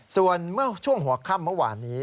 ส่วนเมื่อช่วงหัวค่ำเมื่อวานนี้